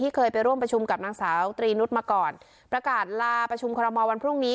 เคยไปร่วมประชุมกับนางสาวตรีนุษย์มาก่อนประกาศลาประชุมคอรมอลวันพรุ่งนี้